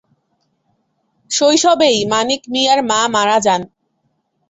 শৈশবেই মানিক মিয়ার মা মারা যান।